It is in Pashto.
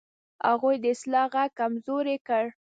هغوی د اصلاح غږ کمزوری کړ.